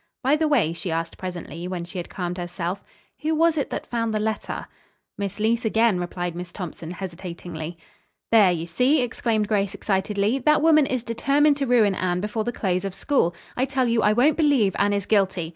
"By the way," she asked presently, when she had calmed herself, "who was it that found the letter?" "Miss Leece again," replied Miss Thompson, hesitatingly. "There, you see," exclaimed Grace excitedly, "that woman is determined to ruin Anne before the close of school. I tell you, I won't believe Anne is guilty.